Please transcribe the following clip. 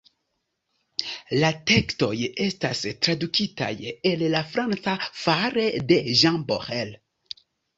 La tekstoj estas tradukitaj el la franca fare de Jean Borel.